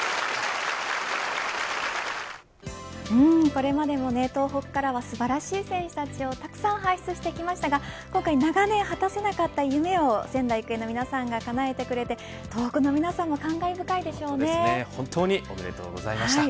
これまでも東北からは素晴らしい選手たちをたくさん輩出してきましたが今回、長年果たせなかった夢を仙台育英の皆さんがかなえてくれて東北の皆さんの本当におめでとうございました。